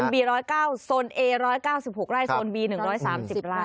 โซนบีร้อยเก้าโซนเอร้อยเก้าสิบหกไร่ครับโซนบีหนึ่งร้อยสามสิบไร่